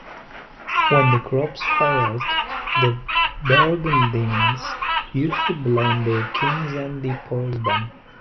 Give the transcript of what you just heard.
When the crops failed, the Burgundians used to blame their kings and depose them.